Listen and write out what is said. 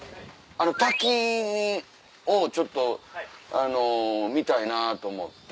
滝をちょっとあの見たいなと思って。